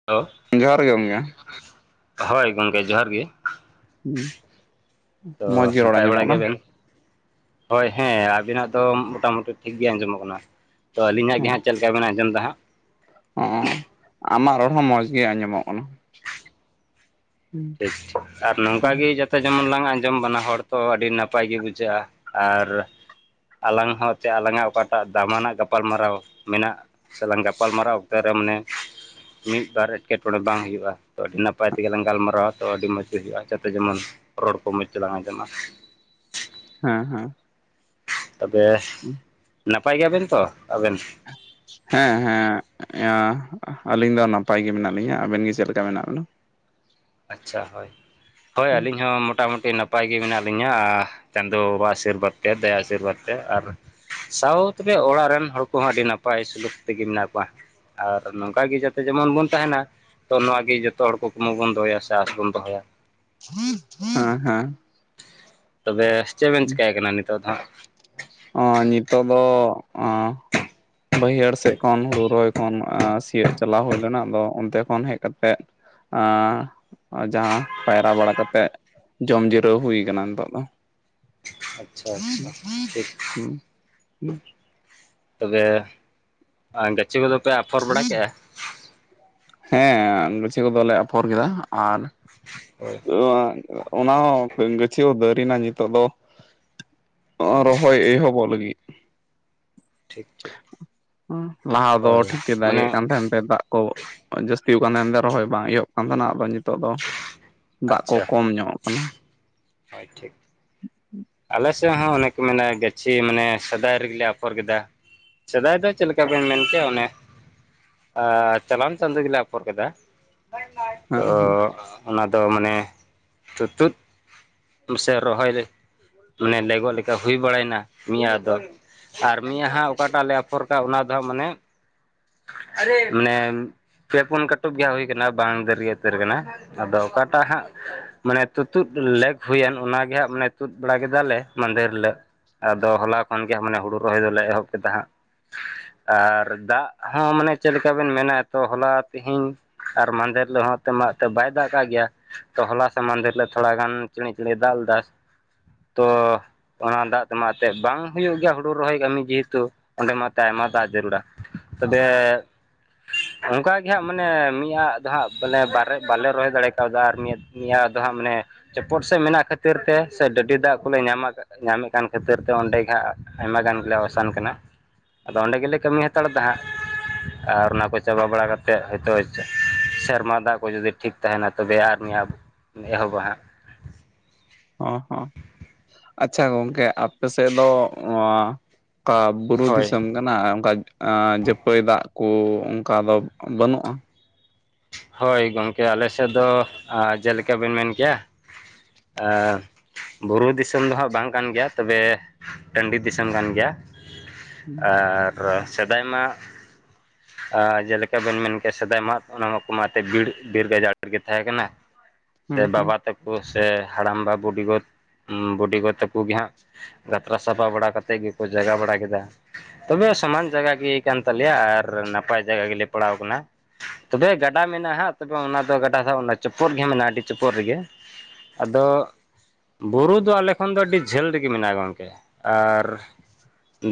[unintelligible] ᱡᱚᱦᱟᱨ ᱜᱮ ᱜᱚᱝᱠᱮ ᱾ ᱦᱳᱭ ᱜᱚᱝᱠᱮ ᱡᱚᱦᱟᱨ ᱜᱮ ᱾ ᱛᱚ ᱢᱚᱸᱡᱽ ᱜᱮ ᱨᱚᱲ ᱱᱟᱯᱟᱭ ᱟᱸᱡᱚᱢᱚᱜ ᱵᱟᱲᱟ ᱠᱟᱱᱟ ᱜᱮᱭᱟ ᱵᱮᱱ? ᱦᱳᱭ ᱦᱮᱸ ᱟᱵᱤᱱᱟᱜ ᱫᱚ ᱢᱚᱴᱟᱢᱩᱴᱤ ᱴᱷᱤᱠᱜᱮ ᱟᱸᱡᱚᱢᱚᱜ ᱠᱟᱱᱟ ᱛᱚ ᱟᱹᱞᱤᱧᱟᱜ ᱜᱮ ᱦᱟᱸᱜ ᱪᱮᱫ ᱵᱮᱱ ᱟᱡᱚᱢ ᱫᱟ ᱦᱟᱸᱜ? ᱦᱚᱸ ᱟᱢᱟᱜ ᱨᱚᱲ ᱦᱚᱸ ᱢᱚᱡᱽ ᱜᱮ ᱟᱸᱡᱚᱢᱚᱜ ᱠᱟᱱᱟ ᱾ ᱴᱷᱤᱠ ᱴᱷᱤᱠ ᱟᱨ ᱱᱚᱝᱠᱟ ᱜᱮ ᱡᱟᱛᱮ ᱡᱮᱢᱚᱱ ᱞᱟᱝ ᱟᱸᱡᱚᱢ ᱵᱟᱱᱟ ᱦᱚᱲ ᱛᱚ ᱟᱹᱰᱤ ᱱᱟᱯᱟᱭ ᱜᱮ ᱵᱩᱡᱷᱟᱹᱜᱼᱟ, ᱟᱨ ᱟᱞᱟᱝ ᱦᱚᱸ ᱪᱮ ᱟᱞᱟᱝᱟᱜ ᱚᱠᱟᱴᱟᱜ ᱫᱟᱢᱟᱱᱟᱜ ᱜᱟᱯᱟᱞᱢᱟᱨᱟᱣ ᱢᱮᱱᱟᱜ ᱥᱮᱞᱟᱝ ᱜᱟᱯᱟᱞ ᱢᱟᱨᱟᱣ ᱚᱠᱛᱮ ᱨᱮ ᱢᱟᱱᱮ ᱢᱤᱫ ᱵᱟᱨ ᱮᱴᱠᱮᱴᱚᱬᱮ ᱵᱟᱝ ᱦᱩᱭᱩᱜᱼᱟ, ᱛᱚ ᱟᱹᱰᱤ ᱱᱟᱯᱟᱭ ᱛᱮᱜᱮᱞᱟᱝ ᱜᱟᱞᱢᱟᱨᱟᱣ ᱨᱚᱲ ᱛᱚ ᱟᱹᱰᱤ ᱢᱚᱡᱽ ᱜᱮ ᱦᱩᱭᱩᱜᱼᱟ ᱡᱟᱛᱮ ᱡᱮᱢᱚᱱ ᱨᱚᱲ ᱠᱚ ᱢᱚᱡᱽ ᱛᱮᱞᱟᱝ ᱟᱸᱡᱚᱢᱟ ᱾ ᱦᱮᱸ ᱦᱮᱸ ᱾ ᱛᱟᱵᱮ [unintelligible] ᱱᱟᱯᱟᱭ ᱜᱮᱭᱟ ᱵᱮᱱ ᱛᱚ ᱟᱵᱮᱱ? [unintelligible] ᱦᱮᱸ ᱦᱮᱸ ᱤᱭᱟᱹ ᱟᱹᱞᱤᱧ ᱫᱚ ᱱᱟᱯᱟᱭ ᱜᱮ ᱢᱮᱱᱟᱜ ᱞᱤᱧᱟᱹ, ᱟᱵᱮᱱ ᱜᱮ ᱪᱮᱫ ᱞᱮᱠᱟ ᱢᱮᱱᱟᱜ ᱵᱮᱱᱟ? ᱟᱪᱪᱷᱟ ᱦᱳᱭ, ᱦᱳᱭ ᱟᱹᱞᱤᱧ ᱦᱚᱸ ᱢᱚᱴᱟᱢᱩᱴᱤ ᱱᱟᱯᱟᱭ ᱜᱮ ᱢᱮᱱᱟᱜ ᱞᱤᱧᱟᱹ ᱪᱟᱸᱫᱚ ᱵᱟ᱾ ᱟᱥᱤᱨᱵᱟᱫᱽ ᱛᱮ᱾ ᱫᱟᱭᱟ ᱟᱥᱤᱨᱵᱟᱫᱽ ᱛᱮ ᱟᱨ ᱥᱟᱶᱛᱮ ᱚᱲᱟᱜ ᱨᱮᱱ ᱦᱚᱲ ᱠᱚ-ᱦᱚᱸ ᱟᱹᱰᱤ ᱱᱟᱯᱟᱭ ᱥᱩᱞᱩᱠ ᱛᱮᱜᱮ ᱢᱮᱱᱟ-ᱜ ᱠᱚᱣᱟ᱾ ᱟᱨ ᱱᱚᱝᱠᱟ ᱜᱮ ᱡᱟᱛᱮ ᱡᱮᱢᱚᱱ ᱵᱚᱱ ᱛᱟᱦᱮᱱᱟ ᱾ ᱛᱚ ᱱᱚᱣᱟ ᱜᱮ ᱡᱚᱛᱚ ᱦᱚᱲ ᱠᱩᱠᱢᱩ ᱵᱚᱱ ᱫᱚᱦᱚᱭᱟ ᱥᱮ ᱟᱥ ᱵᱚᱱ ᱫᱚᱦᱚᱭᱟ᱾ ᱦᱮᱸ ᱦᱮᱸ ᱛᱚᱵᱮ ᱪᱮᱫ ᱵᱮᱱ ᱪᱮᱠᱟᱭ ᱠᱟᱱᱟ, ᱱᱤᱛᱚᱜ ᱫᱚ ᱦᱟᱸᱜ? ᱚ ᱱᱤᱛᱳᱜ ᱫᱚ ᱚᱸᱻ ᱵᱟᱹᱭᱦᱟᱹᱲ ᱥᱮᱫ ᱠᱷᱚᱱ ᱦᱩᱲᱩ ᱨᱚᱦᱚᱭ ᱠᱷᱚᱱ᱾ ᱥᱤᱭᱳᱜ ᱪᱟᱞᱟᱣ ᱦᱩᱭ ᱞᱮᱱᱟ᱾ ᱟᱫᱚ ᱚᱱᱛᱮ ᱠᱷᱚᱱ ᱦᱮᱡ ᱠᱟᱛᱮᱜ ᱟ ᱡᱟᱦᱟᱸ ᱯᱟᱭᱨᱟ ᱵᱟᱲᱟ ᱠᱟᱛᱮᱮᱫ ᱡᱚᱢ ᱡᱤᱨᱟᱹᱣ ᱦᱩᱭ ᱠᱟᱱᱟ᱾ ᱱᱤᱛᱚᱜ ᱫᱚ ᱟᱪᱪᱷᱟ ᱦᱸ ᱟᱪᱪᱷᱟ ᱴᱷᱤᱠ ᱦᱸ ᱛᱚᱵᱮ ᱜᱟᱹᱪᱷᱤ ᱠᱚᱼᱫᱚ ᱯᱮ, ᱟᱯᱷᱚᱨ ᱵᱟᱲᱟ ᱠᱮᱫᱮᱜᱼᱟ᱾ ᱦᱮᱸ ᱜᱟᱪᱷᱤ ᱠᱚᱫᱚᱞᱮ ᱟᱯᱷᱚᱨ ᱠᱮᱫᱟ᱾ ᱟᱨ ᱦᱳᱭ ᱟ ᱚᱱᱟ ᱦᱚᱸ ᱜᱟᱹᱪᱷᱤ ᱦᱚᱸ ᱫᱟᱹᱨᱱᱟ᱾ ᱱᱤᱛᱚᱜ ᱫᱚᱸ ᱨᱚᱦᱚᱭ ᱮᱦᱚᱵᱚ-ᱜ ᱞᱟᱹᱜᱤᱫ᱾ ᱴᱷᱤᱠ ᱴᱷᱤᱠ ᱞᱟᱦᱟ ᱫᱚ ᱦᱳᱭ ᱴᱷᱸᱤᱠᱛᱮ ᱫᱟᱜ ᱢᱟᱱᱮ ᱮᱮᱫ ᱠᱟᱱ ᱛᱟᱦᱮᱱ ᱾ᱛᱮ ᱫᱟᱜ ᱠᱚ ᱡᱟᱹᱥᱛᱤ ᱠᱟᱱ ᱛᱟᱦᱮᱸ ᱮᱱᱛᱮ ᱨᱚᱦᱚᱭ ᱵᱟᱝ ᱮᱦᱚᱵ ᱠᱟᱱ ᱛᱟᱦᱮᱱᱟ᱾ ᱟᱫᱚ ᱱᱤᱛᱚᱜ ᱫᱚ ᱫᱟᱜ ᱠᱚ ᱟᱪᱪᱷᱟ, ᱠᱚᱢ ᱧᱚᱜ ᱠᱟᱱᱟ ᱦᱳᱭ ᱴᱷᱤᱠ᱾ ᱟᱞᱮ ᱥᱮᱫ ᱦᱚᱸ ᱚᱱᱮᱠ ᱠᱚ ᱢᱮᱱᱟ᱾ ᱜᱟᱹᱪᱷᱤ ᱢᱟᱱᱮ ᱥᱮᱫᱟᱭ ᱨᱮᱜᱮ ᱟᱯᱷᱽᱚᱨ ᱠᱮᱫᱟ᱾ ᱥᱮᱫᱟᱭ ᱫᱚ ᱪᱮᱫ ᱞᱮᱠᱟ ᱵᱮᱱ ᱢᱮᱱ ᱠᱮᱭᱟ᱾ ᱚᱱᱮ ᱟᱨ ᱪᱟᱞᱟᱟᱱ ᱪᱟᱸᱫ ᱜᱮᱞᱮ, ᱟᱯᱷᱚᱨ ᱠᱮᱫᱟ᱾ ᱦᱮᱸ ᱛᱚ ᱦᱮᱸ ᱚᱱᱟᱫᱚ ᱢᱟᱱᱮ, ᱛᱩᱛᱩᱩᱫ ᱥᱮ ᱨᱚᱦᱚᱭ ᱢᱟᱱᱮ ᱞᱮᱜᱚ-ᱜ ᱞᱮᱠᱟ ᱾ ᱦᱩᱭ ᱵᱟᱲᱟᱭᱱᱟ ᱢᱤᱫᱤᱭᱟᱹ ᱫᱚ᱾ ᱟᱨ ᱢᱫᱟᱝᱟᱸ ᱦᱟᱜ ᱚᱠᱟᱴᱟ-ᱜ ᱞᱮ ᱟᱯᱷᱚᱨ ᱠᱟᱜᱼᱟ ᱾ ᱚᱱᱟ ᱫᱚ ᱦᱟᱸᱜ ᱢᱟᱱᱮ ᱟᱨᱮ ᱢᱟᱱᱮ ᱯᱮ ᱯᱩᱱ ᱠᱟᱹᱴᱩᱵ ᱜᱮ ᱦᱩᱭ ᱠᱟᱱᱟ᱾ ᱵᱟᱝ ᱫᱟᱹᱨᱭ ᱩᱛᱟᱹᱨ ᱠᱟᱱᱟ᱾ ᱟᱫᱚ ᱚᱠᱟᱴᱟ-ᱜ ᱦᱟᱸᱜ ᱢᱟᱱᱮ ᱛᱩᱛᱩᱩᱫ ᱞᱮᱠ ᱦᱩᱭᱮᱱ᱾ ᱚᱱᱟᱜᱮᱦᱟᱸᱜ ᱢᱟᱱᱮ ᱛᱩᱫ ᱵᱟᱲᱟ ᱠᱮᱫᱟᱞᱮ ᱾ ᱢᱫᱮᱨ ᱦᱤᱞᱳᱜ ᱟᱫᱚ ᱦᱚᱞᱟ ᱠᱷᱚᱱ ᱜᱮᱮᱟᱸ᱾ ᱢᱟᱱᱮ ᱦᱩᱲᱩ ᱨᱚᱦᱚᱭ ᱫᱚᱞᱮ ᱮᱦᱚᱵ ᱠᱮᱫᱟ᱾ ᱦᱟᱸᱜ ᱟᱨ ᱫᱟᱜ ᱦᱚᱸ ᱢᱟᱱᱮ ᱪᱮᱫ ᱞᱮᱠᱟᱵᱱ ᱢᱮᱱᱟ᱾ ᱛᱚ ᱦᱚᱞᱟ ᱛᱮᱦᱮᱧ ᱟᱨ ᱢᱟᱟᱦᱫᱷᱮᱨ ᱦᱤᱞᱳᱜ ᱦᱚᱸ ᱾ ᱮᱱᱛ ᱢᱟ ᱮᱱᱛᱮᱫ ᱵᱟᱭ ᱫᱟᱜ ᱠᱟᱜ ᱜᱮᱭᱟ᱾ ᱛᱚ ᱦᱚᱞᱟ ᱥᱟᱚᱢᱟᱱᱫᱷ ᱦᱤᱞᱳ᱾ ᱛᱷᱚᱲᱟ ᱜᱟᱱ ᱪᱤᱬᱮᱸ ᱪᱤᱬᱤᱸ ᱫᱟᱜ ᱞᱮᱫᱟᱭ ᱛᱚ᱾ ᱚᱱᱟ ᱫᱟᱜ ᱛᱮᱢᱟ ᱮᱱᱛᱮᱫ ᱵᱟᱝ ᱦᱩᱭᱩᱼᱜ ᱜᱮᱭᱟ ᱾ ᱦᱩᱲᱩ ᱨᱚᱦᱚᱭ ᱠᱟᱹᱢᱤ ᱡᱮᱦᱮᱛᱩ᱾ ᱚᱸᱰᱮ ᱢᱟ ᱮᱱᱛ ᱟᱭᱢᱟ ᱫᱟᱜ ᱡᱟᱹᱨᱩᱲᱟ᱾ ᱛᱚ ᱫᱮ ᱚᱱᱠᱟᱟᱜ ᱜᱮ ᱦᱟᱸᱜ ᱢᱟᱱᱮ, ᱢᱤᱫ ᱟᱟᱜ ᱫᱚ ᱦᱟᱸᱜ ᱵᱚᱞᱮ ᱵᱟᱨᱮ ᱵᱟᱞᱮ ᱨᱚᱦᱚᱭ ᱫᱟᱲᱮᱸ ᱠᱟᱣᱫᱟ᱾ ᱟᱨ ᱢᱤᱫ ᱱᱤᱭᱟᱹ ᱫᱚ ᱦᱟᱸᱜ ᱢᱟᱱᱮ, ᱪᱚᱯᱚᱴ ᱥᱮᱫ ᱢᱮᱱᱟᱜ ᱠᱷᱟᱹᱛᱤᱨ ᱛᱮ᱾ ᱥᱮ ᱰᱟᱹᱰᱤ ᱫᱟᱜ ᱠᱚᱞᱮ ᱧᱟᱢ ᱟᱠᱟ ᱧᱟᱢᱮᱫ ᱠᱟᱱ ᱠᱷᱟᱹᱛᱤᱨ ᱛᱮ᱾ ᱚᱸᱰᱮ ᱜᱮ ᱦᱟᱸᱜ ᱟᱭᱢᱟ ᱜᱟᱱᱞᱮ ᱚᱥᱟᱱ ᱠᱟᱱᱟ᱾ ᱟᱫᱚ ᱚᱸᱰᱮ ᱜᱮᱞᱮ ᱠᱟᱹᱢᱤ ᱦᱟᱛᱟᱲᱮ ᱫᱟ᱾ ᱦᱟᱸᱜ ᱟᱨ ᱚᱱᱟ ᱠᱚ ᱪᱟᱵᱟ ᱵᱟᱲᱟ ᱠᱟᱛᱮᱫ, ᱦᱚᱳᱭᱛᱳ ᱥᱮᱨᱢᱟ ᱫᱟᱜ ᱠᱚ ᱡᱩᱫᱤ ᱴᱷᱤᱠ ᱛᱟᱦᱮᱱᱟ᱾ ᱛᱚᱵᱮ ᱟᱨ ᱱ ᱟ ᱮᱦᱚᱵᱟ ᱦᱟᱸᱜ ᱚ ᱦᱚᱸ ᱟᱪᱪᱷᱟ ᱜᱚᱝᱠᱮ ᱟᱯᱮ ᱥᱮᱫ ᱫᱚ [unintelligible] ᱵᱩᱨᱩ ᱦᱳᱭ ᱫᱤᱥᱚᱢ ᱠᱟᱱᱟ ᱾ ᱚᱱᱠᱟ ᱡᱟᱹᱯᱟᱹᱭ ᱫᱟᱜ ᱠᱚ ᱚᱱᱠᱟ ᱫᱚ ᱵᱟᱹᱱᱩᱜᱼᱟ᱾ ᱦᱳᱭ ᱜᱚᱝᱠᱮ ᱟᱞᱮ ᱥᱮᱫ ᱫᱚ ᱾ ᱡᱮᱞᱮᱠᱟ ᱵᱮᱱ ᱢᱮᱱ ᱠᱮᱭᱟ᱾ ᱟᱨ ᱵᱩᱨᱩ ᱫᱤᱥᱚᱢ ᱫᱚ ᱦᱟᱸᱜ ᱵᱟᱝ ᱠᱟᱱ ᱜᱮᱭᱟ ᱾ ᱛᱚᱵᱮ ᱴᱟᱺᱰᱤ ᱫᱤᱥᱚᱢ ᱠᱟᱱ ᱜᱮᱭᱟ᱾ ᱟᱨ ᱟᱨ ᱥᱮᱫᱟᱭ ᱢᱟ᱾ ᱟ ᱡᱮᱞᱮᱠᱟᱵᱱ ᱢᱮᱱ ᱠᱮᱭᱟ᱾ ᱥᱮᱫᱟᱭ ᱢᱟ ᱚᱱᱟ ᱛᱮ ᱵᱤᱨ ᱵᱤᱨ ᱜᱟᱡᱟᱲ ᱨᱮᱜᱮ ᱛᱟᱦᱮᱸ ᱠᱟᱱᱟ᱾ ᱥᱮ ᱦᱩᱸ ᱦᱩᱸ ᱵᱟᱵᱟ ᱛᱟᱠᱚ ᱥᱮ ᱦᱟᱲᱟᱢ ᱵᱟ ᱵᱩᱰᱤᱜᱚ ᱵᱩᱰᱤᱜᱚ ᱛᱟᱠᱚ ᱜᱮ ᱦᱟᱸᱜ ᱜᱟᱛᱨᱟ ᱥᱟᱯᱷᱟ ᱵᱟᱲᱟ ᱠᱟᱛᱮᱫ ᱜᱮᱠᱚ ᱡᱟᱜᱟ ᱵᱟᱲᱟ ᱠᱮᱫᱟ ᱾ ᱛᱚᱵᱮ ᱥᱚᱢᱟᱱ ᱡᱟᱭᱜᱟ ᱜᱮ ᱠᱟᱱ ᱛᱟᱞᱮᱭᱟ, ᱟᱨ ᱱᱟᱯᱟᱭ ᱡᱟᱭᱜᱟ ᱜᱮᱞᱮ ᱯᱟᱲᱟᱣ ᱠᱟᱱᱟ᱾ ᱛᱚᱵᱮ ᱜᱟ ᱜᱟᱰᱟ ᱢᱮᱱᱟᱜᱼᱟ, ᱦᱟᱸᱜ ᱛᱚᱵᱮ ᱚᱱᱟᱫᱚ ᱜᱟᱰᱟ ᱥᱟ ᱚᱱᱟ ᱪᱚᱯᱚᱫ ᱜᱮ ᱢᱮᱱᱟᱜᱼᱟ ᱟᱹᱰᱤ ᱪᱚᱯᱳᱫ ᱨᱮᱜᱮ ᱟᱫᱚ᱾ ᱵᱩᱨᱩ ᱫᱚ ᱟᱞᱮ ᱠᱷᱚᱱ ᱫᱚ ᱟᱹᱰᱤ ᱡᱷᱟᱹᱞ ᱨᱮᱜᱮ ᱢᱮᱱᱟᱜᱼᱟ ᱜᱚᱢᱠᱮ᱾ ᱟᱨ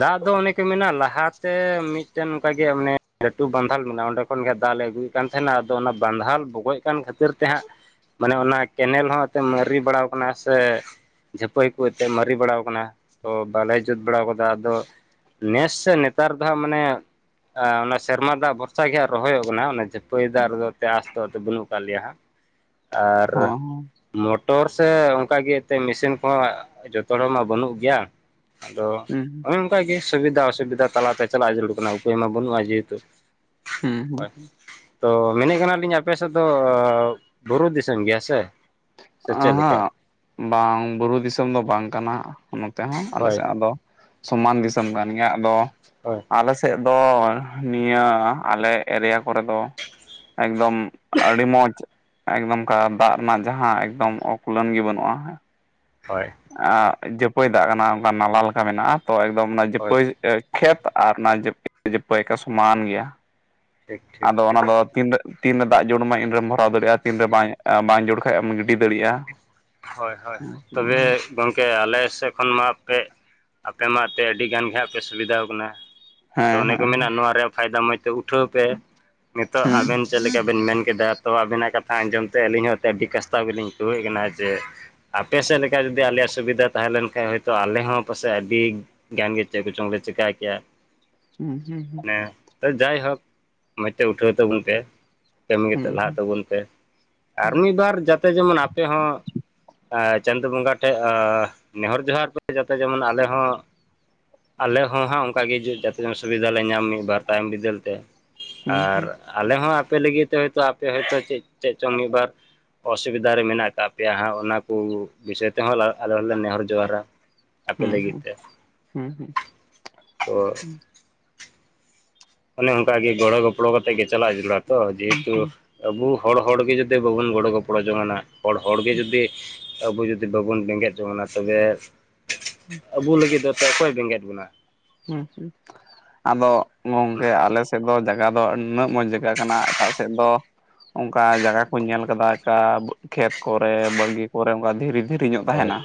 ᱫᱟᱜ ᱫᱚ ᱚᱱᱮ ᱠᱚ ᱢᱮᱱᱟ ᱞᱟᱦᱟᱛᱮ ᱢᱤᱫᱴᱮᱱ ᱚᱱᱠᱟᱜᱮ ᱚᱱᱮ ᱞᱟᱹᱴᱩ ᱵᱟᱱᱫᱷᱟᱞ ᱢᱮᱱᱟᱜᱼᱟ ᱚᱸᱰᱮ ᱾ ᱠᱷᱚᱱ ᱜᱮ ᱫᱟᱜᱞᱮ ᱟᱹᱜᱩᱭᱮᱫ ᱠᱟᱱ ᱛᱟᱦᱮᱱᱟ᱾ ᱟᱫᱚ ᱚᱱᱟ ᱵᱟᱸᱫᱷᱟᱞ ᱵᱚᱜᱚᱡ ᱠᱟᱱ ᱠᱷᱟᱹᱛᱤᱨ ᱛᱮ ᱦᱟᱸᱜ ᱢᱟᱱᱮ ᱚᱱᱟ ᱠᱮᱱᱮᱞ ᱦᱚᱸ ᱛᱮ ᱢᱟᱨᱤ ᱵᱟᱲᱟᱣ ᱠᱟᱱᱟ ᱥᱮ, ᱡᱷᱟᱹᱯᱟᱹᱭ ᱠᱚ ᱟᱹᱛᱮᱫ ᱢᱟᱨᱤ ᱵᱟᱲᱟᱣ ᱠᱟᱱᱟ, ᱛᱚ ᱵᱟᱞᱮ ᱡᱩᱛ ᱵᱟᱲᱟᱣ ᱠᱟᱫᱟ ᱟᱫᱚ᱾ ᱱᱮᱥ ᱥᱮ ᱱᱮᱛᱟᱨ ᱫᱚ ᱦᱟᱸᱜ ᱢᱟᱱᱮ ᱚᱱᱟ ᱥᱮᱨᱢᱟ ᱫᱟᱜ ᱵᱷᱚᱨᱥᱟ ᱜᱮ ᱦᱟᱸᱜ ᱨᱚᱦᱚᱭᱚᱜ ᱠᱟᱱᱟ ᱚᱱᱮᱡᱮ ᱾ ᱯᱟᱹᱭᱫᱟᱨ ᱫᱚ ᱯᱮᱭᱟᱥ ᱫᱚ ᱟᱫᱚ ᱵᱟᱹᱱᱩᱜ ᱠᱟᱜ ᱞᱮᱭᱟ ᱦᱟᱸᱜ ᱟᱨ ᱦᱚᱸ ᱢᱚᱴᱚᱨ ᱥᱮ ᱚᱱᱠᱟ ᱜᱮ ᱮᱛᱮ ᱢᱮᱥᱤᱱ ᱠᱚᱦᱚᱸ ᱡᱚᱛᱚ ᱦᱚᱲ ᱢᱟ ᱵᱟᱹᱱᱩᱜ ᱜᱮᱭᱟ ᱾ ᱟᱫᱚ ᱦᱚᱸ ᱚᱱᱮ ᱚᱱᱠᱟᱜᱮ ᱥᱩᱵᱤᱫᱟ ᱚᱥᱩᱵᱤᱫᱟ ᱛᱟᱞᱟᱛᱮ ᱪᱟᱞᱟᱜ ᱡᱟᱹᱨᱩᱲ ᱠᱟᱱᱟ, ᱩᱯᱟᱹᱭ ᱢᱟ ᱵᱟᱹᱱᱩᱜᱼᱟ ᱡᱮᱦᱮᱛᱩ ᱾ ᱦᱩᱸ ᱦᱩᱸ, ᱛᱚ ᱢᱮᱱᱮᱜ ᱠᱟᱱᱟᱞᱤᱧ ᱟᱯᱮ ᱥᱮᱫ ᱫᱚ ᱵᱩᱨᱩ ᱫᱤᱥᱚᱢ ᱜᱮᱭᱟ ᱥᱮ? ᱥᱮ ᱪᱮᱫ ᱞᱮᱠᱟ ᱚᱦᱚᱜ ᱵᱟᱝ ᱵᱩᱨᱩ ᱫᱤᱥᱚᱢ ᱫᱚ ᱵᱟᱝ ᱠᱟᱱᱟ, ᱱᱚᱛᱮ ᱦᱚᱸ ᱟᱞᱮ ᱦᱳᱭ ᱥᱮᱫ ᱫᱚ ᱾ ᱥᱚᱢᱟᱱ ᱫᱤᱥᱚᱢ ᱠᱟᱱ ᱜᱮᱭᱟ, ᱟᱫᱚ ᱦᱳᱭ, ᱟᱞᱮ ᱥᱮᱫ ᱫᱚ ᱱᱤᱭᱟᱹ ᱟᱞᱮ ᱮᱨᱤᱭᱟ ᱠᱚᱨᱮ ᱫᱚ, ᱮᱠᱫᱚᱢ ᱟᱹᱰᱤ ᱢᱚᱡᱽ, ᱮᱠᱫᱚᱢᱠᱟ ᱫᱟᱜ ᱨᱮᱱᱟᱜ ᱡᱟᱦᱟᱸ ᱮᱠᱫᱚᱢ ᱚᱠᱩᱞᱟᱹᱱ ᱜᱮ ᱵᱟᱹᱱᱩᱜᱼᱟ ᱾ ᱦᱳᱭ, ᱡᱟᱹᱯᱟᱹᱭ ᱫᱟᱜ ᱠᱟᱱᱟ, ᱚᱱᱠᱟ ᱱᱟᱞᱟ ᱞᱮᱠᱟ ᱢᱮᱱᱟᱜᱼᱟ, ᱛᱚ ᱮᱠᱫᱚᱢ ᱚᱱᱟ ᱦᱳᱭ ᱡᱟᱹᱯᱟᱹᱭ ᱠᱷᱮᱛ ᱟᱨ ᱚᱱᱟ ᱡᱟᱹᱯᱤ ᱡᱟᱹᱯᱟᱹᱭ ᱠᱚ ᱥᱚᱢᱟᱱ ᱜᱮᱭᱟ᱾ ᱴᱷᱤᱠ ᱴᱷᱤᱠ ᱟᱫᱚ ᱚᱱᱟ ᱴᱷᱤᱠ ᱫᱚ ᱛᱤᱱᱟᱜ ᱛᱤᱱᱨᱮ ᱫᱟᱜ ᱡᱩᱲᱢᱟᱭ ᱤᱱᱨᱮᱢ ᱵᱷᱚᱨᱟᱣ ᱫᱟᱲᱮᱭᱟᱜᱼᱟ᱾ ᱛᱤᱱᱨᱮ ᱵᱟᱝ ᱵᱟᱝ ᱡᱩᱲᱼᱟ ᱠᱷᱟᱡ ᱮᱢ ᱜᱤᱰᱤ ᱫᱟᱲᱮᱭᱟᱜᱼᱟ᱾ ᱦᱳᱭ ᱦᱳᱭ, ᱛᱚᱵᱮ ᱜᱚᱢᱠᱮ ᱟᱞᱮ ᱥᱮᱫ ᱠᱷᱚᱱ ᱢᱟ ᱟᱯᱮ ᱟᱯᱮ ᱢᱟ ᱟᱯᱮ ᱟᱹᱰᱤ ᱜᱟᱱ ᱜᱮ ᱦᱟᱸᱜ ᱯᱮ ᱥᱩᱵᱤᱫᱷᱟᱣ ᱠᱟᱱᱟ᱾ ᱟᱫᱚ ᱦᱮᱸ ᱚᱱᱮ ᱦᱮᱸ ᱠᱚ ᱢᱮᱱᱟ ᱱᱚᱣᱟ ᱨᱮᱭᱟᱜ ᱯᱷᱟᱭᱫᱟ ᱢᱚᱡᱽ ᱛᱮ ᱩᱴᱷᱟᱹᱣ ᱯᱮ, ᱱᱤᱛᱚᱜ ᱟᱫᱚ ᱟᱵᱮᱱ ᱪᱮᱫ ᱞᱮᱠᱟ ᱵᱮᱱ ᱢᱮᱱ ᱠᱮᱫᱟ ᱛᱚ ᱟᱵᱤᱱᱟᱜ ᱠᱟᱛᱷᱟ ᱟᱸᱡᱚᱢ ᱛᱮ ᱟᱹᱞᱤᱧ ᱦᱚᱸ ᱮᱛᱮ ᱟᱹᱰᱤ ᱠᱟᱥᱛᱟᱣ ᱜᱮᱞᱤᱧ ᱟᱹᱭᱠᱟᱹᱣᱮᱫ ᱠᱟᱱᱟ ᱾ ᱡᱮ ᱟᱯᱮ ᱥᱮᱫ ᱞᱮᱠᱟ ᱡᱩᱫᱤ ᱟᱞᱮᱭᱟᱜ ᱥᱩᱵᱤᱫᱷᱟ ᱛᱟᱦᱮᱸ ᱞᱮᱱᱠᱷᱟᱡ ᱦᱳᱭᱛᱚ, ᱟᱞᱮ ᱦᱚᱸ ᱯᱟᱥᱮᱜ ᱟᱹᱰᱤ ᱜᱟᱱ ᱜᱮ ᱪᱮᱫ ᱠᱚ ᱪᱚᱝᱞᱮ ᱪᱮᱠᱟ ᱠᱮᱭᱟ᱾ ᱦᱩᱸ ᱦᱩᱸ᱾ ᱢᱟᱱᱮ ᱡᱟᱭᱦᱳᱠ ᱢᱚᱸᱡᱽ ᱛᱮ ᱩᱴᱷᱟᱹᱣ ᱛᱟᱹᱵᱩᱱ ᱯᱮ ᱾ ᱠᱟᱹᱢᱤ ᱠᱟᱛᱮᱜ ᱞᱟᱦᱟᱜ ᱛᱟᱹᱵᱚᱱ ᱯᱮ, ᱟᱨ ᱢᱤᱫ ᱵᱟᱨ ᱡᱟᱛᱮ ᱡᱮᱢᱚᱱ ᱟᱯᱮ ᱦᱚᱸ ᱪᱟᱸᱫᱳ ᱵᱚᱸᱜᱟ ᱴᱷᱮᱡ ᱱᱮᱦᱚᱨ ᱡᱚᱸᱦᱟᱨ ᱯᱮ, ᱡᱟᱛᱮ ᱡᱮᱢᱚᱱ ᱟᱞᱮ ᱦᱚᱸ ᱟᱞᱮ ᱦᱚᱸ ᱦᱟᱸᱜ ᱚᱝᱠᱟᱜᱮ ᱡᱚ ᱡᱟᱛᱮ ᱥᱩᱵᱤᱫᱷᱟᱞᱮ ᱧᱟᱢ ᱢᱤᱫ ᱵᱟᱨ ᱛᱟᱭᱚᱢ ᱵᱤᱫᱟᱹᱞ ᱛᱮ, ᱟᱨ ᱟᱞᱮ ᱦᱚᱸ ᱟᱯᱮ ᱞᱟᱹᱜᱤᱫ ᱛᱮ ᱦᱚᱭᱛᱳ ᱟᱯᱮ ᱦᱚᱭᱛᱳ ᱪᱮᱫ ᱪᱮᱫ ᱪᱚᱝ ᱢᱤᱫᱽᱵᱟᱨ ᱚᱥᱩᱵᱤᱫᱷᱟ ᱨᱮ ᱢᱮᱱᱟᱜ ᱠᱟᱜ ᱯᱮᱭᱟ ᱦᱟᱸᱜ, ᱚᱱᱟ ᱠᱩ ᱵᱤᱥᱚᱭ ᱛᱮᱦᱚᱸ ᱟᱞᱮ ᱦᱚᱸᱞᱮ ᱱᱮᱦᱚᱨ ᱡᱚᱦᱟᱨᱟ ᱾ ᱟᱯᱮ ᱞᱟᱹᱜᱤᱫ ᱛᱮ᱾ ᱛᱚ ᱚᱱᱮ ᱚᱝᱠᱟᱜᱮ ᱜᱚᱲᱚᱼᱜᱚᱯᱚᱲᱚ ᱠᱟᱛᱮᱜ ᱜᱮ ᱪᱟᱞᱟᱜ ᱡᱟᱨᱩᱲᱟ ᱛᱚ ᱡᱮᱦᱮᱛᱩ ᱟᱵᱩ ᱦᱚᱲ ᱦᱚᱲᱜᱮ ᱡᱩᱫᱤ ᱵᱟᱹᱵᱩᱱ ᱜᱚᱲᱚ ᱜᱚᱯᱚᱲᱚ ᱡᱚᱝᱱᱟᱜ, ᱦᱚᱲ ᱦᱚᱲᱜᱮ ᱡᱩᱫᱤ ᱟᱵᱩ ᱡᱩᱫᱤ ᱵᱟᱹᱵᱩᱱ ᱵᱮᱸᱜᱮᱫ ᱡᱚᱝ ᱚᱱᱟ, ᱛᱚᱵᱮ ᱟᱵᱩ ᱞᱟᱹᱜᱤᱫ ᱫᱚ ᱚᱠᱚᱭ ᱵᱮᱸᱜᱮᱫ ᱵᱚᱱᱟᱭ? ᱦᱩᱸ, ᱟᱫᱚ ᱜᱚᱝᱠᱮ ᱟᱞᱮ ᱛᱮᱜᱚ ᱡᱟᱜᱟ ᱫᱚ ᱱᱩᱱᱟᱹᱜ ᱢᱚᱡᱽ ᱡᱟᱜᱟ ᱠᱟᱱᱟ ᱮᱴᱟᱜ ᱥᱮᱫ ᱫᱚ ᱚᱱᱠᱟ ᱡᱟᱜᱟ ᱠᱩᱧ ᱧᱮᱞ ᱠᱟᱫᱟ ᱟᱠᱟ ᱠᱷᱮᱛ ᱠᱚᱨᱮ ᱵᱟᱲᱜᱤ ᱠᱚᱨᱮ ᱚᱝᱠᱟ ᱫᱷᱤᱨᱤ ᱫᱷᱤᱨᱤᱧᱚᱜ ᱦᱳᱭ ᱛᱟᱦᱮᱱᱟ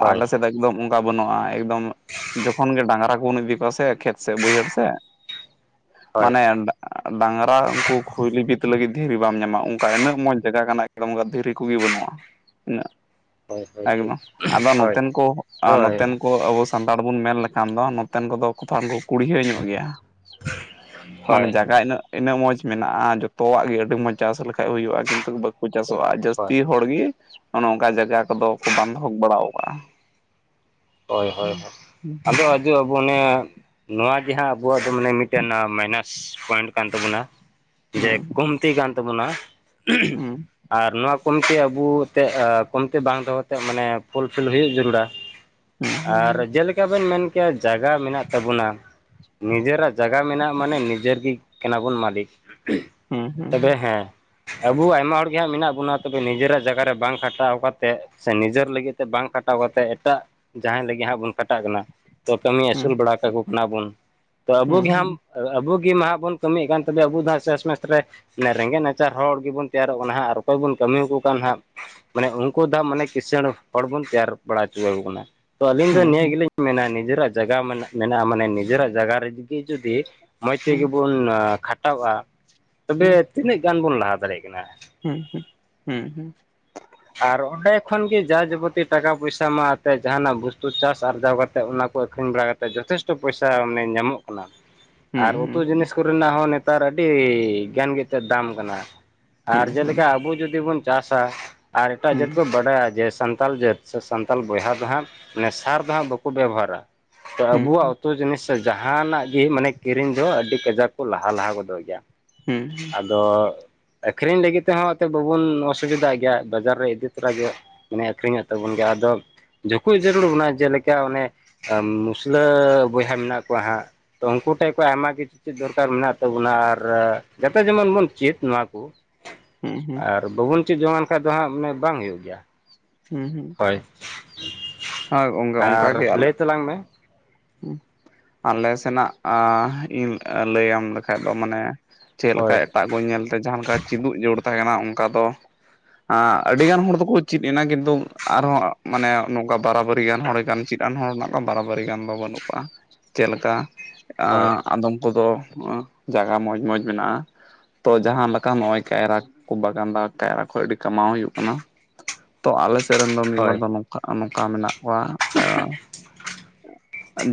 ᱦᱳᱭ ᱟᱞᱮ ᱥᱮᱫ ᱫᱚ ᱮᱠᱫᱚᱢ ᱚᱱᱠᱟ ᱵᱟᱹᱱᱩᱜᱼᱟ ᱮᱠᱫᱚᱢ ᱡᱚᱠᱷᱚᱱ ᱜᱮ ᱰᱟᱝᱨᱟ ᱠᱚᱵᱚᱱ ᱤᱫᱤ ᱠᱚᱣᱟ ᱥᱮ ᱠᱷᱮᱛ ᱥᱮᱜ ᱵᱟᱹᱭᱦᱟᱹᱲ ᱥᱮᱜ ᱦᱳᱭ ᱢᱟᱱᱮ ᱰᱟᱝᱨᱟ ᱩᱝᱠᱩ ᱠᱷᱩᱭᱞᱤ ᱵᱤᱛ ᱞᱟᱹᱜᱤᱫ ᱫᱷᱤᱨᱤ ᱵᱟᱢ ᱧᱟᱢᱟ ᱚᱝᱠᱟ ᱤᱱᱟᱹᱜ ᱢᱚᱸᱡᱽ ᱡᱟᱜᱟ ᱠᱟᱱᱟ ᱾ [inaudible] ᱫᱷᱤᱨᱤ ᱠᱚᱜᱤ ᱵᱟᱹᱱᱩᱜᱼᱟ ᱤᱱᱟᱹᱜ ᱦᱳᱭ ᱦᱳᱭ ᱾ ᱴᱷᱤᱠ ᱮᱠᱫᱚᱢ ᱟᱫᱚ ᱦᱳᱭ ᱱᱚᱛᱮᱱ ᱠᱚ ᱦᱳᱭ ᱱᱚᱛᱮᱱ ᱠᱚ ᱚᱵᱚᱥ ᱛᱟᱲ ᱵᱚᱱ ᱢᱮᱱ ᱞᱮᱠᱷᱟᱱ ᱫᱚ ᱱᱚᱛᱮᱱ ᱠᱚᱫᱚ ᱠᱩᱛᱷᱟᱢ ᱠᱚ ᱠᱩᱲᱭᱦᱟᱹ ᱧᱚᱜ ᱜᱮᱭᱟ ᱢᱟᱱᱮ ᱦᱳᱭ ᱡᱟᱜᱟ ᱤᱱᱟᱹᱜ ᱾ ᱤᱱᱟᱹᱜ ᱢᱚᱡᱽ ᱢᱮᱱᱟᱜᱼᱟ, ᱡᱚᱛᱚᱣᱟᱜ ᱜᱮ ᱟᱹᱰᱤ ᱢᱚᱸᱡᱽ ᱪᱟᱥ ᱞᱮᱠᱷᱟᱡ ᱦᱳᱭᱳᱜᱼᱟ ᱠᱤᱱᱛᱩ ᱵᱟᱠᱚ ᱴᱷᱤᱠ ᱪᱟᱥᱚᱜᱼᱟ ᱡᱟᱥ ᱦᱳᱭ ᱛᱤ ᱦᱚᱲ ᱜᱤ ᱚᱱᱮ ᱚᱱᱠᱟ ᱡᱟᱜᱟ ᱠᱚᱫᱚ ᱠᱚ ᱵᱟᱱᱫᱷᱚᱠ ᱵᱟᱲᱟᱣ ᱠᱟᱜᱼᱟ᱾ ᱦᱳᱭ ᱦᱳᱭ ᱦᱳᱭ ᱟᱫᱚ ᱟᱹᱰᱤ ᱟᱵᱚ ᱱᱮ ᱱᱚᱣᱟ ᱜᱮ ᱦᱟᱸᱜ ᱟᱵᱚᱣᱟᱜ ᱫᱚ ᱢᱟᱱᱮ ᱢᱤᱫᱴᱮᱱ ᱢᱟᱭᱱᱟᱥ ᱯᱚᱭᱮᱱᱴ ᱠᱟᱱ ᱛᱟᱵᱚᱱᱟ ᱾ ᱡᱮ ᱠᱚᱢᱛᱤ ᱠᱟᱱ ᱛᱟᱵᱚᱱᱟ [inaudible] ᱟᱨ ᱱᱚᱣᱟ ᱠᱚᱢᱛᱤ ᱟᱵᱚ ᱛᱮᱫ ᱠᱚᱢᱛᱤ ᱵᱟᱝ ᱫᱚᱦᱚᱛᱮᱫ ᱢᱟᱱᱮ ᱯᱷᱩᱞᱯᱷᱤᱞ ᱦᱩᱭᱩᱜ ᱡᱟᱹᱨᱩᱲᱟ᱾ ᱟᱨ ᱡᱮᱞᱮᱠᱟ ᱵᱮᱱ ᱢᱮᱱ ᱠᱮᱭᱟ ᱡᱟᱜᱟ ᱢᱮᱱᱟᱜ ᱛᱟᱵᱚᱱᱟ ᱾ ᱱᱤᱡᱮᱨᱟᱜ ᱡᱟᱜᱟ ᱢᱮᱱᱟᱜ ᱟ ᱢᱟᱱᱮ ᱱᱤᱡᱮᱨ ᱜᱮ ᱠᱟᱱᱟᱵᱚᱱ ᱢᱟᱹᱞᱤᱠ ᱾ ᱛᱚᱵᱮ ᱦᱮᱸ ᱟᱵᱚ ᱟᱭᱢᱟ ᱦᱚᱲᱜᱮ ᱦᱟᱸᱜ ᱢᱮᱱᱟᱜ ᱵᱚᱱᱟ ᱛᱚᱵᱮ ᱱᱤᱡᱮᱨᱟᱜ ᱡᱟᱭᱜᱟ ᱨᱮ ᱵᱟᱝ ᱠᱷᱟᱴᱟᱣ ᱠᱟᱛᱮᱫ ᱥᱮ ᱱᱤᱡᱮᱨ ᱞᱟᱹᱜᱤᱫ ᱛᱮ ᱵᱟᱝ ᱠᱷᱟᱴᱟᱣ ᱠᱟᱛᱮ ᱮᱴᱟᱜᱼᱼ ᱡᱟᱦᱟᱸᱭ ᱞᱟᱹᱜᱤᱫ ᱦᱟᱸᱜ ᱵᱚᱱ ᱠᱷᱟᱴᱟᱜ ᱠᱟᱱᱟ, ᱛᱚ ᱠᱟᱹᱢᱤ ᱟᱹᱥᱩᱞ ᱵᱟᱲᱟ ᱠᱟᱠᱚ ᱠᱟᱱᱟ ᱵᱚᱱ ᱛᱚ ᱟᱵᱚᱜ ᱜᱮᱦᱟᱢᱼᱼ ᱟᱹᱵᱚ ᱜᱮ ᱢᱟᱦᱟᱜ ᱵᱚᱱ ᱠᱟᱹᱢᱤ ᱠᱟᱱ ᱛᱚᱵᱮ ᱟᱵᱚ ᱫᱟᱥ ᱥᱮᱥ ᱢᱮᱥ ᱨᱮ ᱮ ᱨᱮᱸᱜᱮᱡ ᱱᱟᱪᱟᱨ ᱦᱚᱲ ᱜᱮᱵᱚᱱ ᱛᱮᱭᱟᱨᱚᱜ ᱠᱟᱱᱟ ᱦᱟᱸᱜ ᱟᱨ ᱚᱠᱚᱭ ᱵᱚᱱ ᱠᱟᱹᱢᱤ ᱠᱚ ᱠᱟᱱ ᱦᱟᱸᱜ ᱢᱟᱱᱮ ᱩᱱᱠᱩ ᱫᱚ ᱢᱟᱱᱮ ᱠᱤᱸᱥᱟᱹᱬ ᱦᱚᱲ ᱵᱚᱱ ᱛᱮᱭᱟᱨ ᱵᱟᱲᱟ ᱦᱚᱪᱚ ᱟᱠᱚ ᱠᱟᱱᱟ ᱾ ᱛᱚ ᱟᱹᱞᱤᱧ ᱫᱚ ᱱᱤᱭᱟᱹ ᱜᱮᱞᱤᱧ ᱢᱮᱱᱟ ᱱᱤᱡᱮᱨᱟᱜ ᱡᱟᱭᱜᱟ ᱢᱮᱱᱟᱜᱼᱟ ᱢᱟᱱᱮ ᱱᱤᱡᱮᱨᱟᱜ ᱡᱟᱭᱜᱟ ᱨᱮᱜᱮ ᱡᱩᱫᱤ ᱢᱚᱡᱽ ᱛᱮᱜᱮ ᱵᱚᱱ ᱠᱷᱟᱴᱟᱣᱚᱜᱼᱟ ᱛᱚᱵᱮ ᱛᱤᱱᱟᱹᱜ ᱜᱟᱱ ᱵᱚᱱ ᱞᱟᱦᱟ ᱫᱟᱲᱮᱭᱟᱜ ᱠᱟᱱᱟ ᱾ ᱦᱩᱸ ᱦᱩᱸ ᱦᱩᱸ ᱦᱩᱸ ᱾ ᱟᱨ ᱚᱸᱰᱮ ᱠᱷᱚᱱ ᱜᱮ ᱡᱟ ᱡᱟᱵᱚᱛᱤ ᱴᱟᱠᱟ ᱯᱚᱭᱥᱟ ᱢᱟ ᱟᱛᱮ ᱡᱟᱦᱟᱱᱟᱜ ᱵᱩᱥᱛᱩ ᱪᱟᱥ ᱟᱨᱡᱟᱣ ᱠᱟᱛᱮᱫ ᱚᱱᱟ ᱠᱚ ᱟᱹᱠᱷᱨᱤᱧ ᱵᱟᱲᱟ ᱠᱟᱛ ᱛᱮ ᱡᱚᱛᱷᱮᱥᱴᱚ ᱯᱚᱭᱥᱟ ᱢᱟᱱᱮ ᱧᱟᱢᱚᱜ ᱠᱟᱱᱟ ᱾ [inaudible] ᱟᱨ ᱩᱛᱩ ᱡᱤᱱᱤᱥ ᱠᱚᱨᱮᱱᱟᱜ ᱦᱚᱸ ᱱᱮᱛᱟᱨ ᱟᱹᱰᱤ ᱜᱮᱱ ᱜᱮᱛᱚ ᱫᱟᱢ ᱠᱟᱱᱟ ᱾ ᱟᱨ ᱡᱮᱞᱮᱠᱟ ᱟᱵᱚ ᱡᱩᱫᱤ ᱵᱚᱱ ᱪᱟᱥᱟ ᱟᱨ ᱮᱴᱟᱜ ᱡᱟᱹᱛ ᱠᱚ ᱵᱟᱰᱟᱭᱟ ᱡᱮ ᱥᱟᱱᱛᱟᱲ ᱡᱟᱹᱛ ᱥᱮ ᱥᱟᱱᱛᱟᱞ ᱵᱚᱭᱦᱟ ᱫᱚ ᱦᱟᱸᱜ ᱱᱮ ᱥᱟᱨ ᱫᱚ ᱦᱟᱸᱜ ᱵᱟᱠᱚ ᱵᱮᱵᱚᱦᱟᱨᱟ ᱛᱚ ᱟᱵᱚᱣᱟᱜ ᱩᱛᱩ ᱡᱤᱱᱤᱥ ᱡᱟᱦᱟᱱᱟᱜ ᱜᱮ ᱢᱟᱱᱮ ᱠᱤᱨᱤᱧ ᱫᱚ ᱟᱹᱰᱤ ᱠᱟᱡᱟᱠ ᱠᱚ ᱞᱟᱦᱟ ᱞᱟᱦᱟ ᱜᱚᱫᱚᱜ ᱜᱮᱭᱟ ᱾ ᱟᱫᱚ ᱟᱹᱠᱷᱨᱤᱧ ᱞᱟᱹᱜᱤᱫ ᱛᱮᱦᱟᱸᱜ ᱵᱟᱵᱚᱱ ᱚᱥᱩᱵᱤᱫᱷᱟᱜ ᱜᱮᱭᱟ ᱾ ᱵᱟᱡᱟᱨ ᱨᱮ ᱤᱫᱤ ᱛᱚᱨᱟ ᱜᱮ ᱢᱟᱱᱮ ᱟᱹᱠᱷᱨᱤᱧᱚᱜ ᱛᱟᱵᱚᱱ ᱜᱮᱭᱟ ᱟᱫᱚ ᱡᱩᱠᱷᱩᱡ ᱡᱟᱹᱨᱩᱲ ᱚᱱᱟ ᱡᱮᱞᱮᱠᱟ ᱚᱱᱮ ᱢᱩᱥᱞᱟᱹ ᱵᱚᱭᱦᱟ ᱢᱮᱱᱟᱜ ᱠᱚᱣᱟ ᱦᱟᱸᱜ ᱾ ᱛᱚ ᱩᱱᱠᱩ ᱴᱷᱮᱡ ᱠᱷᱚᱡ ᱟᱭᱢᱟ ᱠᱤᱪᱷᱩ ᱫᱚᱨᱠᱟᱨ ᱢᱮᱱᱟᱜ ᱛᱟᱵᱚᱱᱟ ᱟᱨ ᱡᱟᱛᱮ ᱡᱮᱢᱚᱱ ᱵᱚᱱ ᱪᱮᱫ ᱱᱚᱣᱟ ᱠᱚ ᱾ ᱟᱨ ᱵᱟᱵᱚᱱ ᱪᱮᱫ ᱡᱚᱝᱟᱱ ᱠᱷᱟᱡ ᱫᱚ ᱦᱟᱸᱜ ᱢᱟᱱᱮ ᱵᱟᱝ ᱦᱩᱭᱩᱜ ᱜᱮᱭᱟ᱾ ᱦᱩᱸ ᱦᱩᱸ ᱦᱳᱭ ᱦᱚᱭ ᱜᱚᱝᱠᱮ ᱚᱝᱠᱟ ᱟᱨ ᱜᱮ ᱟᱞᱮ ᱞᱟᱹᱭ ᱛᱟᱞᱟᱝ ᱢᱮ ᱟᱞᱮ ᱥᱮᱱᱟᱜ [inaudible] ᱤᱧ ᱞᱟᱹᱭᱟᱢ ᱞᱮᱠᱷᱟᱡ ᱫᱚ ᱢᱟᱱᱮ ᱪᱮᱫᱞᱮᱠᱟ, ᱦᱳᱭ ᱛᱟᱜ ᱠᱚ ᱧᱮᱞ ᱛᱮ ᱡᱟᱦᱟᱸ ᱞᱮᱠᱟ ᱪᱤᱫᱩᱜ ᱡᱳᱲ ᱛᱟᱦᱮᱸᱱᱟ ᱚᱱᱠᱟ ᱫᱚ ᱟᱹᱰᱤ ᱜᱟᱱ ᱦᱚᱲ ᱫᱚᱠᱚ ᱪᱤᱫ ᱢᱮᱱᱟᱜ ᱜᱮᱫᱚ ᱟᱨᱦᱚᱸ ᱢᱟᱱᱮ ᱱᱚᱝᱠᱟ ᱵᱟᱨᱟᱵᱟᱹᱨᱤ ᱜᱟᱱ ᱦᱚᱲ ᱜᱟᱱ ᱪᱤᱫᱼᱟᱱ ᱦᱚᱲ ᱢᱮᱱᱟᱜ ᱠᱚᱣᱟ ᱵᱟᱨᱟᱵᱟᱹᱨᱤ ᱜᱟᱱ ᱫᱚ ᱵᱟᱹᱱᱩᱜ ᱠᱚᱣᱟ ᱪᱮᱫᱞᱮᱠᱟ ᱦᱳᱭ ᱟᱫᱚ ᱠᱚᱫᱚ ᱡᱟᱭᱜᱟ ᱢᱚᱡᱽ ᱢᱚᱡᱽ ᱢᱮᱱᱟᱜᱼᱟ ᱾ ᱛᱚ ᱡᱟᱦᱟᱸ ᱞᱮᱠᱟ ᱱᱚᱜᱼᱚᱭ ᱠᱟᱭᱨᱟ ᱠᱚᱠᱚ ᱵᱟᱜᱟᱱᱫᱟ, ᱠᱟᱭᱨᱟ ᱠᱷᱚᱡ ᱟᱹᱰᱤ ᱠᱟᱢᱟᱣ ᱦᱩᱭᱩᱜ ᱠᱟᱱᱟ᱾ ᱛᱚ ᱟᱞᱮ ᱥᱮᱫ ᱨᱮᱱ ᱫᱚ ᱢᱤᱫ ᱦᱳᱭ ᱵᱟᱨ ᱫᱚ ᱱᱚᱝᱠᱟ ᱟ ᱱᱚᱝᱠᱟ ᱢᱮᱱᱟᱜ ᱠᱚᱣᱟ ᱟ ᱛᱚ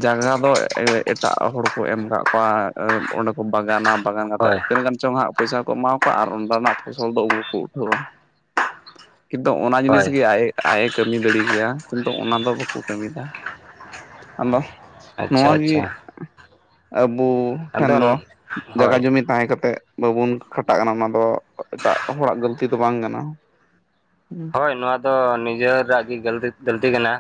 ᱡᱟᱭᱜᱟ ᱫᱚ ᱮ-ᱮ-ᱮᱴᱟᱜ ᱦᱚᱲ ᱠᱚ ᱮᱢ ᱠᱟᱜ ᱠᱚᱣᱟ ᱚᱸᱰᱮ ᱠᱚ ᱵᱟᱜᱟᱱᱟ᱾ ᱵᱟᱜᱟᱱ ᱠᱟᱛᱮᱜ ᱦᱳᱭ ᱛᱤᱱᱟᱹᱜ ᱜᱟᱱ ᱪᱚᱝ ᱦᱟᱸᱜ ᱯᱩᱭᱥᱟᱹ ᱠᱚ ᱮᱢᱟᱣᱟ ᱠᱚᱣᱟ ᱟᱨ ᱚᱸᱰᱮᱱᱟᱜ ᱯᱷᱚᱥᱚᱞ ᱫᱚ ᱩᱱᱠᱩ ᱠᱚ ᱩᱴᱷᱟᱹᱣᱟ᱾ ᱠᱤᱱᱛᱩ ᱚᱱᱟ ᱡᱤᱱᱤᱥ ᱦᱳᱭ ᱜᱮ ᱟᱡ-ᱮ ᱟᱡ ᱮ ᱠᱟᱹᱢᱤ ᱫᱟᱲᱮ ᱠᱮᱭᱟ ᱠᱤᱱᱛᱩ ᱚᱱᱟ ᱫᱚ ᱵᱟᱠᱚ ᱠᱟᱹᱢᱤᱣ ᱫᱟ᱾ ᱟᱫᱚ ᱟᱪᱪᱷᱟ ᱱᱚᱣᱟ ᱜᱮ ᱟᱪᱪᱷᱟ ᱟᱹᱵᱚ ᱴᱷᱮᱱ ᱟᱫᱚ ᱫᱚ ᱦᱳᱭ ᱡᱟᱭᱜᱟ ᱡᱚᱢᱤ ᱛᱟᱦᱮᱸ ᱠᱟᱛᱮᱜ ᱵᱟᱵᱚᱱ ᱠᱷᱟᱴᱟᱜ ᱠᱟᱱᱟ ᱚᱱᱟ ᱫᱚ ᱮᱴᱟᱜ ᱦᱚᱲᱟᱜ ᱜᱟᱹᱞᱛᱤ ᱫᱚ ᱵᱟᱝ ᱠᱟᱱᱟ᱾ ᱦᱳᱭ ᱱᱚᱣᱟ ᱫᱚ ᱱᱤᱡᱮᱨᱟᱜ ᱜᱮ ᱜᱟᱹᱞᱛᱤ ᱜᱟᱹᱞᱛᱤ ᱠᱟᱱᱟ᱾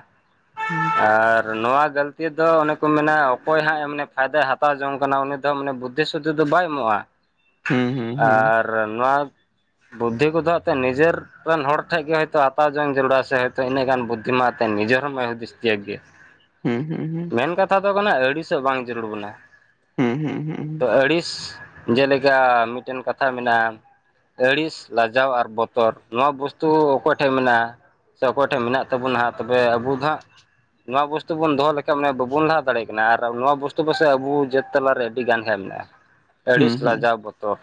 ᱦᱩᱸ᱾ ᱟᱨ ᱱᱚᱣᱟ ᱜᱟᱹᱞᱛᱤ ᱫᱚ ᱚᱱᱮ ᱠᱚ ᱢᱮᱱᱟ ᱚᱠᱚᱭ ᱦᱟᱸᱜ ᱮ ᱢᱟᱱᱮ ᱯᱷᱟᱭᱫᱟᱭ ᱦᱟᱛᱟᱣ ᱡᱚᱝ ᱠᱟᱱᱟ ᱩᱱᱤ ᱫᱚ ᱢᱟᱱᱮ ᱵᱩᱫᱽ [inaudible] ᱛᱮᱫᱚ ᱵᱟᱭ ᱮᱢᱚᱜᱼᱟ᱾ ᱦᱩᱸ ᱦᱩᱸ ᱦᱩᱸ ᱟᱨ ᱱᱚᱣᱟ ᱵᱩᱫᱽᱫᱷᱤ ᱠᱚᱫᱚ ᱦᱟᱸᱜ ᱮᱛᱮ ᱱᱤᱡᱮᱨ ᱨᱮᱱ ᱦᱚᱲ ᱴᱷᱮᱱ ᱜᱮ ᱦᱭᱛᱳ ᱟᱛᱟᱣ ᱡᱚᱝ ᱡᱟᱹᱨᱩᱲᱟ ᱥᱮ ᱦᱳᱭᱛᱳ ᱤᱱᱟᱹᱜ ᱜᱟᱱ ᱵᱩᱫᱽᱫᱷᱤ ᱢᱟ ᱮᱛᱮᱱ ᱱᱤᱡᱮᱨ ᱦᱚ ᱵᱟᱭ ᱦᱩᱫᱤᱥ ᱛᱤᱭᱟᱹᱜ ᱜᱮᱭᱟ᱾ ᱦᱩᱸ ᱦᱩᱸ ᱦᱩᱸ᱾ ᱢᱮᱱ ᱠᱟᱛᱷᱟ ᱫᱚ ᱠᱟᱱᱟ ᱟᱹᱲᱤᱥᱚᱜ ᱵᱟᱝ ᱡᱟᱹᱨᱩᱲ ᱵᱚᱱᱟ᱾ ᱦᱩᱸ ᱦᱩᱸ ᱦᱩᱸ ᱛᱚ ᱟᱹᱲᱤᱥ ᱡᱮᱞᱮᱠᱟ ᱢᱤᱫᱴᱮᱱ ᱠᱟᱛᱷᱟ ᱢᱮᱱᱟᱜᱼᱟ ᱟᱹᱲᱤᱥ ᱞᱟᱡᱟᱣ ᱟᱨ ᱵᱚᱛᱚᱨ ᱱᱚᱣᱟ ᱵᱚᱥ ᱛᱩ ᱚᱠᱚᱭ ᱴᱷᱮᱡ ᱢᱮᱱᱟᱜᱼᱟ ᱥᱮ ᱚᱠᱚᱭ ᱴᱷᱮᱡ ᱢᱮᱱᱟᱜ ᱛᱟᱵᱚᱱᱟ ᱦᱟᱸᱜ ᱛᱚᱵᱮ ᱟᱵᱩ ᱫᱚ ᱦᱟᱸᱜ ᱱᱚᱣᱟ ᱵᱚᱥᱛᱩ ᱵᱚᱱ ᱫᱚᱦᱚ ᱞᱮᱠᱷᱟᱡ ᱢᱟᱱᱮ ᱵᱟᱵᱚᱱ ᱞᱟᱦᱟ ᱫᱟᱲᱮᱭᱟᱜ ᱠᱟᱱᱟ ᱟᱨ ᱱᱚᱣᱟ ᱵᱚᱥᱛᱩ ᱯᱟᱥᱮᱡ ᱟᱵᱚ ᱡᱟᱹᱛ ᱛᱟᱞᱟᱨᱮ ᱟᱹᱰᱤ ᱜᱟᱱ ᱦᱮᱣᱟ ᱢᱮᱱᱟᱜ-ᱟ᱾ [inaudible] ᱟᱹᱲᱤᱥ, ᱞᱟᱡᱟᱣ, ᱵᱚᱛᱚᱨ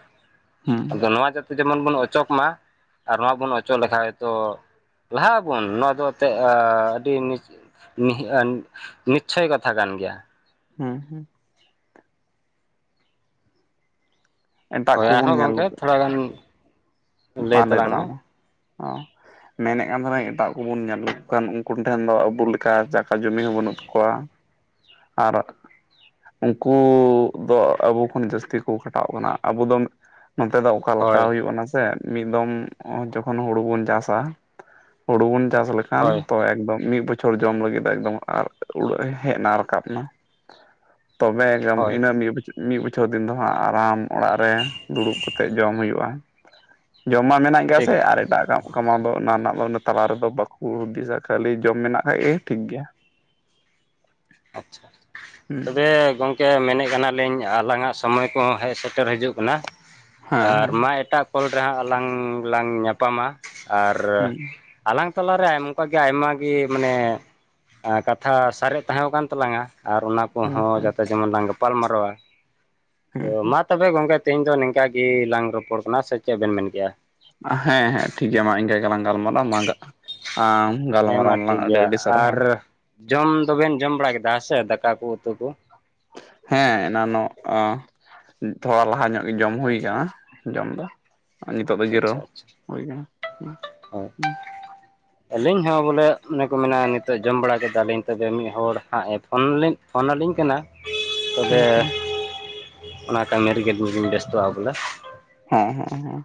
ᱦᱩᱸ ᱟᱫᱚ ᱱᱚᱣᱟ ᱡᱟᱛᱮ ᱡᱮᱢᱚᱱ ᱵᱚᱱ ᱚᱪᱚᱜ ᱢᱟ ᱟᱨ ᱱᱚᱣᱟ ᱵᱚᱱ ᱚᱪᱚ ᱪᱚ ᱞᱮᱠᱷᱟᱡ ᱛᱚ ᱞᱟᱦᱟᱜ ᱟᱵᱚᱱ ᱱᱚᱣᱟ ᱫᱚ ᱮᱱᱛᱮᱫ ᱟ ᱟᱹᱰᱤ ᱱᱤᱪ ᱱᱤᱦᱤᱜ ᱟ ᱱᱤᱪᱪᱷᱚᱭ ᱠᱟᱛᱷᱟ ᱠᱟᱱ ᱜᱮᱭᱟ᱾ ᱦᱩᱸ᱾ ᱮᱴᱟᱜ ᱦᱳᱭ ᱠᱚᱵᱚᱱ ᱟᱨᱦᱚᱸ ᱜᱚᱢᱠᱮ ᱧᱮᱞ ᱛᱷᱚᱲᱟ ᱜᱟᱱ ᱢᱟ ᱞᱟᱹᱭ ᱛᱟᱞᱟᱝ ᱢᱮ ᱚ᱾ ᱢᱮᱱᱮᱫ ᱠᱟᱱ ᱛᱟᱦᱮᱱᱟᱧ ᱮᱴᱟᱜ ᱠᱚᱵᱚᱱ ᱧᱮᱞ ᱞᱮᱠᱚ ᱠᱷᱟᱱ ᱩᱱᱠᱩᱱ ᱴᱷᱮᱱ ᱫᱚ ᱟᱵᱚ ᱞᱮᱠᱟ ᱪᱟᱠᱟ ᱡᱚᱢᱤ ᱦᱚᱸ ᱵᱟᱹᱱᱩᱜ ᱛᱟᱠᱚᱣᱟ᱾ ᱟᱨᱚ ᱩᱱᱠᱩ ᱫᱚ ᱟᱵᱚ ᱠᱷᱚᱱ ᱡᱟᱹᱥᱛᱤ ᱠᱚ ᱠᱷᱟᱴᱟᱣᱜ ᱠᱟᱱᱟ ᱟᱵᱚ ᱫᱚ ᱱᱚᱛᱮ ᱫᱚ ᱚᱠᱟᱞᱮᱠᱟ ᱦᱳᱭ ᱦᱩᱭᱩᱜ-ᱟ᱾ ᱥᱮ ᱢᱤᱫ ᱫᱚᱢ ᱡᱚᱠᱷᱚᱱ ᱦᱩᱲᱩ ᱵᱚᱱ ᱪᱟᱥᱟ᱾ ᱦᱩᱲᱩ ᱵᱚᱱ ᱪᱟᱥ ᱦᱳᱭ ᱠᱷᱟᱱ ᱛᱚ ᱮᱠᱫᱚᱢ ᱢᱤᱫ ᱵᱚᱪᱷ ᱪᱷᱚᱲ ᱡᱚᱢ ᱞᱟᱹᱜᱤᱫ ᱫᱚ ᱮᱠᱫᱚᱢ ᱟᱨ ᱩᱲᱟᱹᱜ ᱮ ᱦᱮᱡ ᱮᱱᱟ ᱨᱟᱠᱟᱵ ᱮᱱᱟ᱾ ᱛᱚᱵᱮ ᱭᱟᱢ ᱦᱳᱭ ᱤᱱᱟᱹ ᱢᱤᱫ ᱵᱚᱪᱷᱚ ᱢᱤᱫ ᱵᱚᱪᱷᱚᱨ ᱫᱤᱱ ᱫᱚ ᱦᱟᱸᱜ ᱟᱨᱟᱢ ᱚᱲᱟᱜ ᱨᱮ ᱫᱩᱲᱩᱵ ᱠᱟᱛᱮᱫ ᱡᱚᱢ ᱦᱩᱭᱩᱜ-ᱟ᱾ ᱡᱚᱢ ᱢᱟ ᱢᱮᱱᱟᱜ ᱜᱮᱭᱟ ᱴᱷᱤᱠ ᱥᱮ ᱟᱨ ᱮᱴᱟᱜ ᱠᱟᱹ ᱠᱟᱢᱟᱣ ᱫᱚ ᱚᱱᱟ ᱨᱮᱱᱟᱜ ᱫᱚ ᱤᱱᱟᱹ ᱛᱟᱞᱟ ᱨᱮᱫᱚ ᱵᱟᱠᱚ ᱦᱩᱫᱤᱥᱟ ᱠᱷᱟᱹᱞᱤ ᱡᱚᱢ ᱢᱮᱱᱟᱜ ᱠᱷᱟᱡ ᱜᱮ ᱴᱷᱤᱠ ᱜᱮᱭᱟ᱾ [inaudible] ᱟᱪᱪᱷᱟ ᱦᱩᱸ ᱛᱚᱵᱮ ᱜᱚᱝ ᱠᱮ ᱢᱮᱱᱮᱫ ᱠᱟᱱᱟᱞᱤᱧ ᱟᱞᱟᱝᱟᱜ ᱥᱚᱢᱚᱭ ᱠᱚᱦᱚᱸ ᱦᱮᱡ ᱥᱮᱴᱮᱨ ᱦᱤᱡᱩᱜ ᱠᱟᱱᱟ ᱦᱮᱸ ᱟᱨ ᱦᱮᱸ ᱢᱟ ᱮᱴᱟᱜ ᱠᱚᱞ ᱨᱮ ᱦᱟᱸᱜ ᱟᱞᱟᱝ ᱞᱟᱝ ᱧᱟᱯᱟᱢᱟ ᱟᱨ ᱦᱩᱸ ᱟᱞᱟᱝ ᱛᱟᱞᱟᱨᱮ ᱚᱱᱠᱟᱜ ᱜᱮ ᱟᱭᱢᱟ ᱜᱮ ᱢᱟᱱᱮ ᱠᱟᱛᱷᱟ ᱥᱟᱨᱮᱡ ᱛᱟᱦᱮᱸᱣ ᱠᱟᱱ ᱛᱟᱞᱟᱝᱟ ᱟᱨ ᱚᱱᱟ ᱦᱩᱸ ᱠᱚᱦᱚᱸ ᱦᱩᱸ ᱡᱟᱛᱮ ᱡᱮᱢᱚᱱ ᱞᱟᱝ ᱜᱟᱯᱟᱞ ᱢᱟᱨᱟᱣᱟ ᱛᱚ ᱦᱩᱸ ᱦᱩᱸ ᱢᱟ ᱛᱚᱵᱮ ᱜᱚᱝᱠᱮ ᱛᱮᱦᱮᱧ ᱫᱚ ᱱᱤᱝᱠᱟ ᱜᱮ ᱞᱟᱝ ᱨᱚᱯᱚᱲ ᱠᱟᱱᱟ ᱥᱮ ᱪᱮᱫ ᱵᱮᱱ ᱢᱮᱱ ᱠᱮᱜ-ᱟ? ᱦᱮᱸ ᱦᱮᱸ ᱴᱷᱤᱠ ᱜᱮᱭᱟ ᱢᱟ ᱤᱱᱠᱟᱹ ᱜᱮᱞᱟᱝ ᱜᱟᱞᱢᱟᱨᱟ ᱢᱟ ᱜᱟ ᱟᱢ ᱦᱮᱸ ᱢᱟ ᱴᱷᱤᱠ ᱜᱮᱭᱟ ᱟᱨ ᱡᱚᱢ ᱫᱚᱵᱮᱱ ᱡᱚᱢ ᱵᱟᱲᱟ ᱠᱮᱫᱟ ᱦᱮᱸᱥᱮ ᱫᱟᱠᱟ ᱠᱚ ᱩᱛᱩ ᱠᱚ᱾ ᱦᱮᱸ ᱮᱱᱟᱱᱚᱜ ᱚᱸ ᱛᱷᱚᱲᱟ ᱞᱟᱦᱟ ᱧᱚᱜᱼᱼ ᱡᱚᱢ ᱦᱩᱭ ᱦᱳᱭ ᱠᱟᱱᱟ ᱡᱚᱢ ᱫᱚᱼᱼ ᱟᱪᱪᱷᱟ ᱟᱪᱪᱷᱟ ᱦᱳᱭ ᱦᱩᱸ ᱟᱹᱞᱤᱧ ᱦᱚᱸ ᱵᱚᱞᱮ ᱚᱱᱮ ᱠᱚ ᱢᱮᱱᱟ ᱱᱤᱛᱚᱜ ᱡᱚᱢ ᱵᱟᱲᱟ ᱠᱮᱫᱟ ᱞᱤᱧ ᱛᱚᱵᱮ ᱢᱤᱫ ᱦᱚᱲ ᱦᱟᱸᱜᱼᱼ ᱯᱷᱳᱱᱞᱤᱧ ᱯᱷᱳᱱᱟᱞᱤᱧ ᱠᱟᱱᱟ ᱛᱚᱵᱮ ᱦᱩᱸ ᱦᱩᱸ ᱚᱱᱟ ᱠᱟᱹᱢᱤ ᱨᱮᱜᱮ ᱧᱤᱧ ᱵᱮᱥᱛᱚᱜ-ᱟ ᱵᱚᱞᱮᱼᱼ ᱦᱮᱸ ᱦᱮᱸ ᱦᱮᱸ